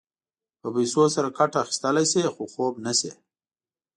په پیسو سره کټ اخيستلی شې خو خوب نه شې.